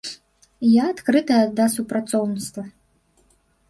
Я адкрытая да супрацоўніцтва.